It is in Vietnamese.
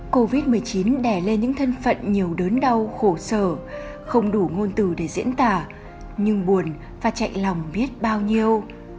covid một mươi chín đè lên những thân phận nhiều đớn đau khổ sở không đủ ngôn từ để diễn tả nhưng buồn và chạy lòng biết bao nhiêu